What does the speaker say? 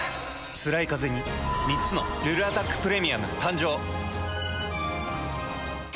つらいカゼに３つの「ルルアタックプレミアム」誕生。